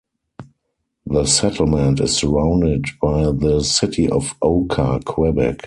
The settlement is surrounded by the city of Oka, Quebec.